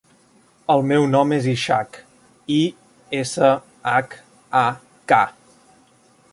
El meu nom és Ishak: i, essa, hac, a, ca.